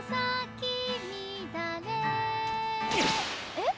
えっ？